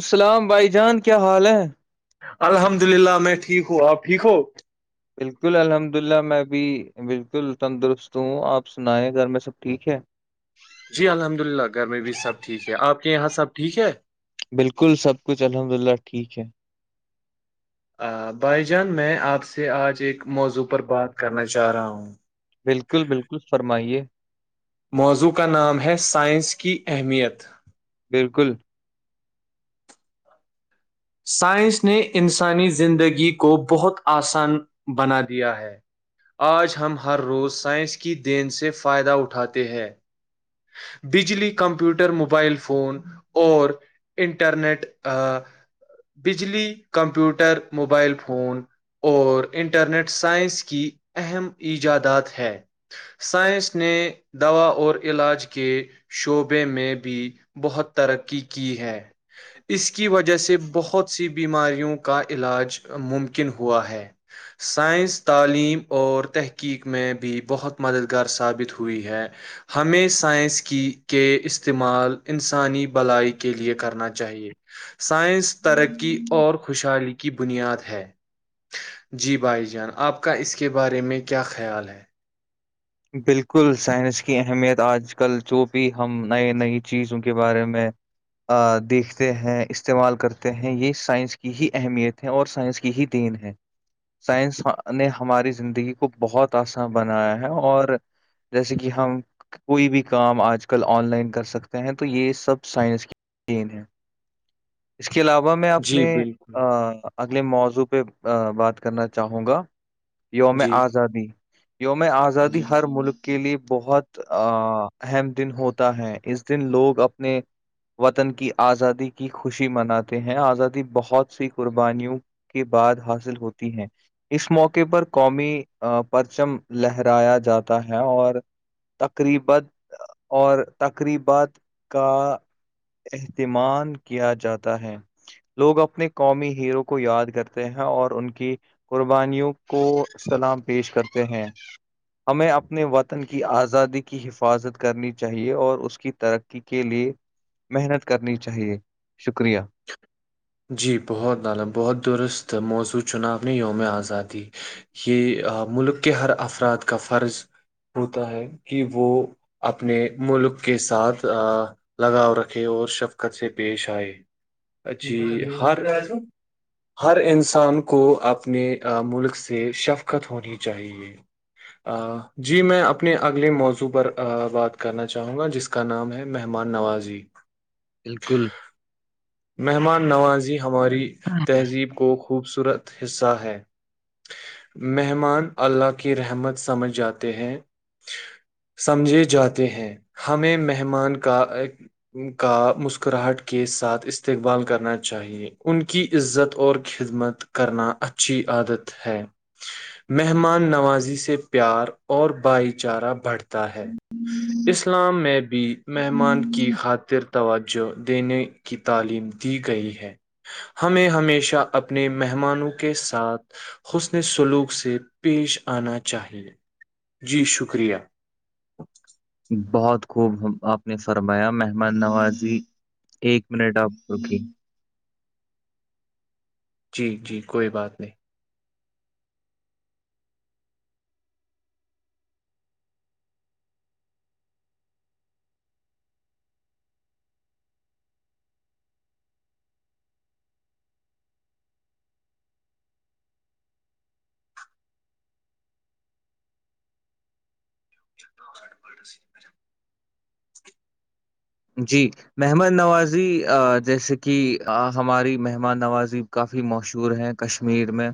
السلام بھائی جان کیا حال ہے الحمد للہ میں ٹھیک ہوں آپ ٹھیک ہو بالکل الحمد اللہ میں بھی بالکل تندرست ہوں آپ سنائیں گھر میں سب ٹھیک ہے جی الحمد للہ گھر میں بھی سب ٹھیک ہے آپ کے یہاں سب ٹھیک ہے بالکل سب کچھ الحمد للہ ٹھیک ہے بھائی جان میں آپ سے آج ایک موضوع پر بات کرنا چاہ رہا ہوں بالکل بالکل فرمائیے موضوع کا بالکل سائنس نے انسانی زندگی کو بہت آسان بنا دیا ہے آج ہم ہر روز سائنس کی دین سے فائدہ اٹھاتے ہیں بجلی کمپیوٹر موبائل فون اور انٹرنیٹ بجلی کمپیوٹر موبائل فون اور انٹرنیٹ سائنس کی اہم ایجادات ہے سائنس نے دوا اور علاج کے شعبے میں بھی بہت ترقی کی ہے اس کی وجہ سے بہت سی بیماریوں کا علاج ممکن ہوا ہے سائنس تعلیم اور تحقیق میں بھی بہت مددگار ثابت ہوئی ہے ہمیں سائنس کی کے استعمال انسانی بلائی کے لیے کرنا چاہیے سائنس ترقی اور خوشحالی کی بنیاد ہے جی بھائی جان آپ کا اس کے بارے میں کیا خیال ہے بالکل سائنس کی اہمیت آج کل جو بھی ہم نئی نئی چیزوں کے بارے میں دیکھتے ہیں استعمال کرتے ہیں یہ سائنس کی ہی اہمیت ہے اور سائنس کی ہی تین ہے سائنس نے ہماری زندگی کو بہت آسان بنایا ہے اور جیسے کہ ہم کوئی بھی کام آج کل آن لائن کر سکتے ہیں تو یہ سب سائنس کی تین ہے اس کے علاوہ میں جی اپنے بالکل اگلے موضوع پہ بات کرنا چاہوں گا یوم جی آزادی یوم آزادی جی ہر ملک کے لیے بہت ا اہم دن ہوتا ہے اس دن لوگ اپنے وطن کی آزادی کی خوشی مناتے ہیں آزادی بہت سی قربانیوں کے بعد حاصل ہوتی ہیں اس موقع پر قومی پرچم لہر [unintelligible] اور تقریبات کا اہتمال کیا جاتا ہے لوگ اپنے قومی ہیرو کو یاد کرتے ہیں اور ان کی قربانیوں کو سلام پیش کرتے ہیں ہمیں اپنے وطن کی آزادی کی حفاظت کرنی چاہیے اور اس کی ترقی کے لیے محنت کرنی چاہیے شکریہ جی بہت نالم بہت درست موضوع چناؤ نے یوم آزادی یہ ملک کے ہر افراد کا فرض ہوتا ہے کہ وہ اپنے ملک کے ساتھ لگاؤ رکھے اور شفقت سے پیش آئے جی ہر ہر انسان کو اپنے ملک سے شفقت ہونی چاہیے [unintelligible] جی میں اپنے اگلے موضوع پر بات کرنا چاہوں گا جس کا نام ہے مہمان نوازی بالکل مہمان نوازی، ہماری تہذیب کو خوبصورت حصہ ہے مہمان اللہ کی رحمت سمجھ جاتے ہیں سمجھے جاتے ہیں ہمیں مہمان کا کا مسکراہٹ کے ساتھ استقبال کرنا چاہیے ان کی عزت اور خدمت کرنا اچھی عادت ہے مہمان نوازی سے پیار اور بھائی چارہ بڑھتا ہے اسلام میں بھی مہمان کی خاطر توجہ دینے کی تعلیم دی گئی ہے ہمیں ہمیشہ اپنے مہمانوں کے ساتھ حسن سلوک سے پیش آنا چاہیے جی شکریہ بہت خوب ہم آپ نے فرمایا مہمان نوازی ایک منٹ آپ رکی جی جی کوئی بات نہیں تو س پلٹ جی مہمان نوازی جیسے کہ ہماری مہمان نوازی کافی مشہور ہیں کشمیر میں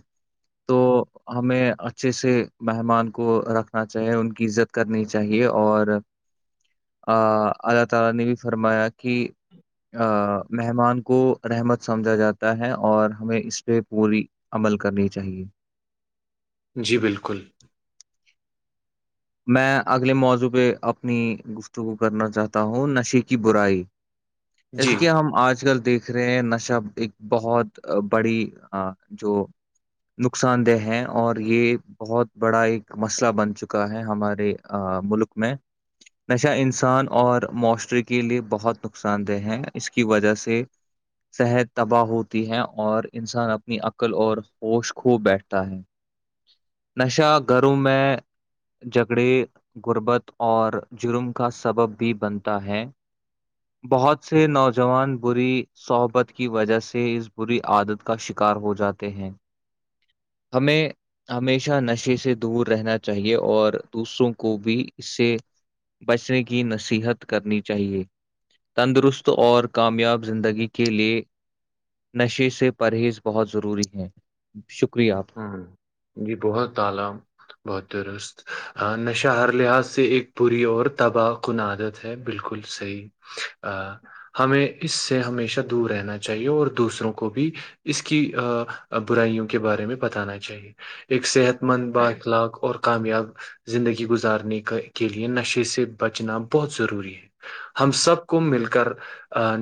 تو ہمیں اچھے سے مہمان کو رکھنا چاہیے ان کی عزت کرنی چاہیے اور آ اللہ تعالی نے بھی فرمایا کہ مہمان کو رحمت سمجھا جاتا ہے اور ہمیں اس پہ پوری عمل کرنی چاہیے جی بالکل میں اگلے موضوع پہ اپنی گفتوں کو کرنا چاہتا ہوں نشے کی برائی جی جیسے کہ ہم آج کل دیکھ دکھ رہے نشب ایک بہت بڑی جو نقصان دہ ہیں اور یہ بہت بڑا ایک مسئلہ بن چکا ہے ہمارے ملک میں نشہ انسان اور معاشرے کے لیے بہت نقصان دہ ہے اس کی وجہ سے صحت تباہ ہوتی ہے اور انسان اپنی عقل اور ہوش خھوب بیٹھتا ہے نشہ گھروں میں جگڑے غربت اور جرم کا سبب بھی بنتا ہے بہت سے نوجوان بری صحبت کی وجہ سے اس بری عادت کا شکار ہو جاتے ہیں ہمیں ہمیشہ نشے سے دور رہنا چاہیے اور دوسروں کو بھی اس سے بچنے کی نصیحت کرنی چاہیے تندرست اور کامیاب زندگی کے لیے نشے سے پرہیز بہت ضروری ہیں شکریہ آپ کا۔ ہ جی بہت تالم بہت درست ہ نشہ ہر لحاظ سے ایک بری اور تباہ کن عادت ہے بالکل صحیح ہمیں اس سے ہمیشہ دور رہنا چاہیے اور دوسروں کو بھی اس کی برائیوں کے بارے میں بتانا چاہیے ایک صحت مند با اخلاق اور کامیاب زندگی گزارنے کا کے لئے نشے سے بچنا بہت ضروری ہے ہم سب کو مل کر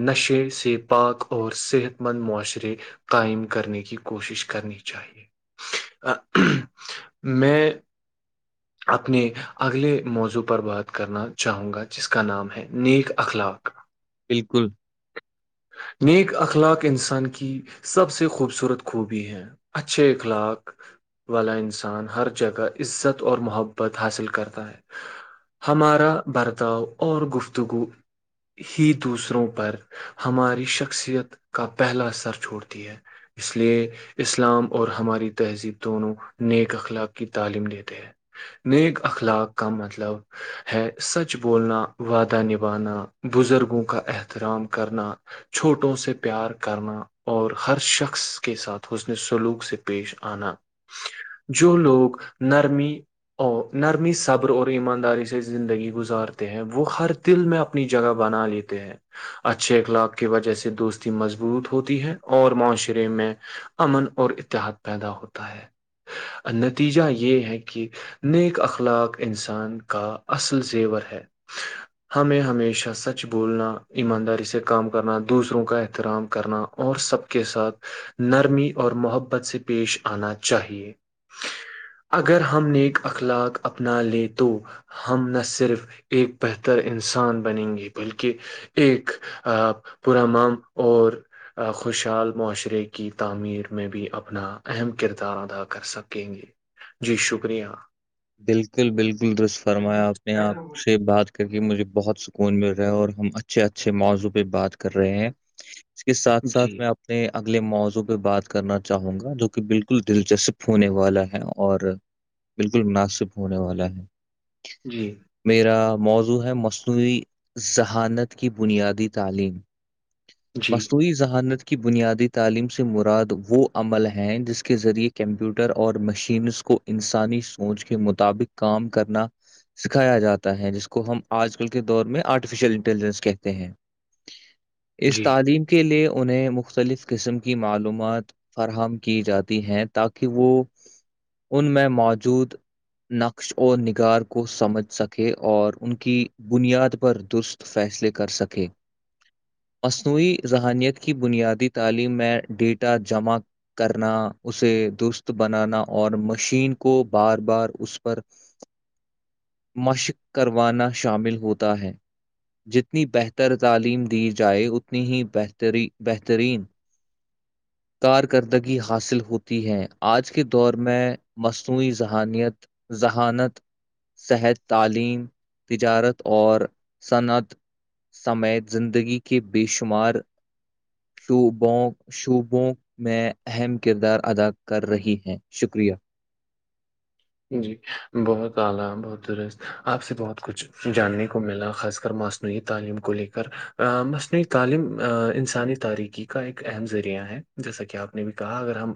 نشے سے پاک اور صحت مند معاشرے قائم کرنے کی کوشش کرنی چاہیے میں اپنے اگلے موضوع پر بات کرنا چاہوں گا جس کا نام ہے نیک اخلاق بالکل نیک اخلاق انسان کی سب سے خوبصورت خوبی ہیں اچھے اخلاق والا انسان ہر جگہ عزت اور محبت حاصل کرتا ہے ہمارا برتاؤ اور گفتگو ہی دوسروں پر ہماری شخصیت کا پہلا اثر چھوڑتی ہے اس لیے اسلام اور ہماری تہذیب دونوں نیک اخلاق کی تعلیم دیتے ہیں نیک اخلاق کا مطلب ہے سچ بولنا وعدہ نبھانا بزرگوں کا احترام کرنا چھوٹوں سے پیار کرنا اور ہر شخص کے ساتھ حسن سلوک سے پیش آنا جو لوگ نرمی او نرمی صبر اور ایمانداری سے زندگی گزارتے ہیں وہ ہر دل میں اپنی جگہ بنا لیتے ہیں اچھے اخلاق کی وجہ سے دوستی مضبوط ہوتی ہے اور معاشرے میں امن اور اتحاد پیدا ہوتا ہے نتیجہ یہ ہے کہ نیک اخلاق انسان کا اصل زیور ہے ہمیں ہمیشہ سچ بولنا ایمانداری سے کام کرنا دوسروں کا احترام کرنا اور سب کے ساتھ نرمی اور محبت سے پیش آنا چاہیے اگر ہم نیک اخلاق اپنا لے تو ہم نہ صرف ایک بہتر انسان بنیں گے بلکہ ایک آ پورا مام اور خوشحال معاشرے کی تعمیر میں بھی اپنا اہم کردار ادا کر سکیں گے جی شکریہ بالکل بالکل دست فرمایا اپنے آپ سے بات کر کے مجھے بہت سکون مل رہا ہے اور ہم اچھے اچھے موضوع پہ بات کر رہے ہیں اس کے ساتھ ساتھ جی میں آپ میں اگلے موضوع پہ بات کرنا چاہوں گا جو کہ بالکل دلچسپ ہونے والا ہے اور بالکل مناسب ہونے والا ہے جی میرا موضوع ہے مصنوعی ذہانت کی بنیادی تعلیم جی مصوی ذہانت کی بنیادی تعلیم سے مراد وہ عمل ہیں جس کے ذریعے کمپیوٹر اور مشینس کو انسانی سوچ کے مطابق کام کرنا سکھایا جاتا ہے جس کو ہم آج کل کے دور میں آرٹیفیشیل انٹیلیجنس کہتے ہیں اس جی تعلیم کے لیے انہیں مختلف قسم کی معلومات فراہم کی جاتی ہیں تاکہ وہ ان میں موجود نقش اور نگار کو سمجھ سکے اور ان کی بنیاد پر درست فیصلے کر سکیں مصنوعی ذہانیت کی بنیادی تعلیم میں ڈیٹا جمع کرنا اسے درست بنانا اور مشین کو بار بار اس پر مشق کروانا شامل ہوتا ہے جتنی بہتر تعلیم دی جائے اتنی ہی بہتری بہترین کارکردگی حاصل ہوتی ہے آج کے دور میں مس سوئی ذہانیت ذہانت صحت تعلیم تجارت اور صنعت سمےت زندگی کے بے شمار شو بگ شو بونک میں اہم کردار ادا کر رہی ہیں شکریہ جی بہت اعلی بہت درست آپ سے بہت کچھ جاننے کو ملا خاص کر ما مصنوعی تعلیم کو لے کر مصنوعی تعلیم انسانی تاریکی کا ایک اہم ذریعہ ہے جیسا کہ آپ نے بھی کہا اگر ہم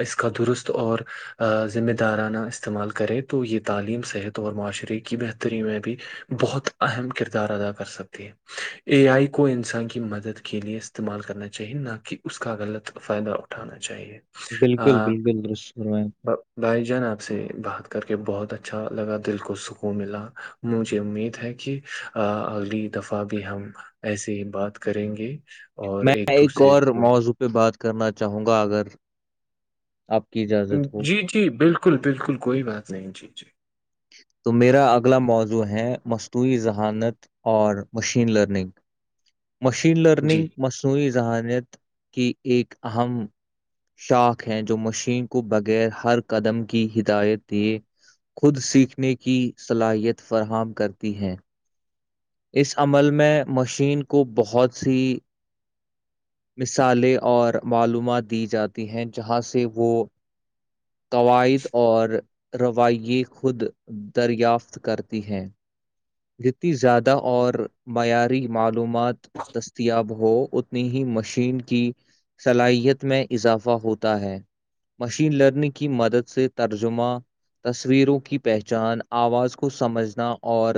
اس کا درست اور ذمہ دارانہ استعمال کرے تو یہ تعلیم صحت اور معاشرے کی بہتری میں بھی بہت اہم کردار ادا کر سکتی ہے اے آئی کو انسان کی مدد کے لیئے استعمال کرنا چاہیے نہ کہ اس کا غلط فائدہ ہو اٹھانا چاہیے بالکل بالکل دست کرو دائجانپ سے بات کر کے بہت اچھا لگا دل کو سکون ملا مجھے امید ہے کہ اگلی دفعہ بھی ہم ایسے ہی بات کریں گے اور میں ایک دوسرے اور کو موضوع پہ بات کرنا چاہوں گا اگر آپ کی ج جی جی بالکل بالکل کوئی بات نہیں جی جی تو میرا اگلا موضوع ہے مستنوعی ذہانت اور مشین لرننگ مشین جی لرننگ مصنوعی ذہانیت کی ایک اہم شاخ ہیں جو مشین کو بغیر ہر قدم کی ہدایت دیے خود سیکھنے کی صلاحیت فراہم کرتی ہیں اس عمل میں مشین کو بہت سی مثالیں اور معلومات دی جاتی ہیں جہاں سے وہ قواعد اور رویے خود دریافت کرتی ہیں جتنی زیادہ اور معیاری معلومات دستیاب ہو ہو اتنی ہی مشین کی صلاحیت میں اضافہ ہوتا ہے مشین لرننگ کی مدد سے ترجمہ تصویروں کی پہچان آواز کو سمجھنا اور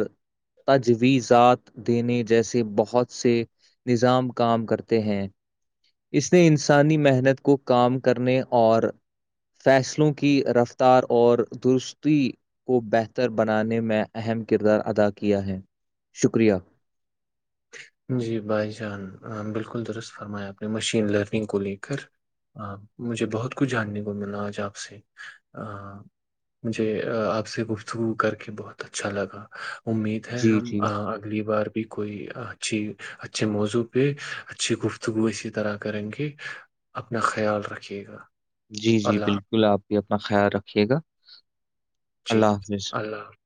تجویزات دینے جیسے بہت سے نظام کام کرتے ہیں اس نے انسانی محنت کو کام کرنے اور فیصلوں کی رفتار اور درستی کو بہتر بنانے میں اہم کردار ادا کیا ہے شکریہ جی بھائی جان بالکل درست فرمایا آپ نے مشین لرننگ کو لے کر ہ مجھے بہت کچھ جاننے کو ملا آج آپ سے مجھے آپ سے گفتگو کر کے بہت اچھا لگا امید ہے جی ہم جی اگلی بار بھی کوئی اچھی اچھے موضوع پہ اچھی گفتگو اسی طرح کریں گے اپنا خیال رکھیے گا جی جی اللہ بالکل آپ بھی اپنا خیال رکھیے گا جی اللہ حافظ اللہ حافظ